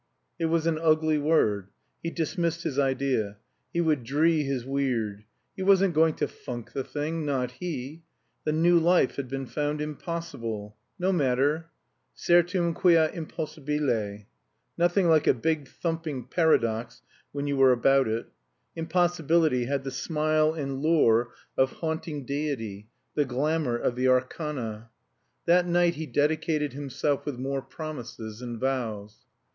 It was an ugly word. He dismissed his idea. He would dree his weird. He wasn't going to funk the thing not he! The New Life had been found impossible. No matter. Certum quia impossibile. Nothing like a big thumping paradox when you were about it. Impossibility had the smile and lure of haunting deity, the glamor of the arcana. That night he dedicated himself with more promises and vows.